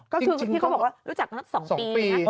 ก็คือพี่เขาบอกว่ารู้จักกันตั้งแต่๒ปี